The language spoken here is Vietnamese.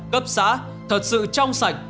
cấp xã thật sự trong sạch